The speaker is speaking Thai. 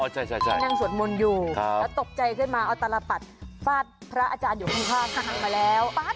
ใช่นั่งสวดมนต์อยู่แล้วตกใจขึ้นมาเอาตลปัดฟาดพระอาจารย์อยู่ข้างทางมาแล้ว